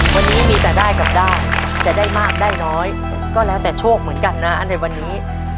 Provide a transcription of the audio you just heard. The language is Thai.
วันนี้มีแต่ได้กับได้จะได้มากได้น้อยก็แล้วแต่โชคเหมือนกันนะในวันนี้